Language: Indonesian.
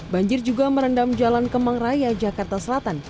banjir juga merendam jalan kemang raya jakarta selatan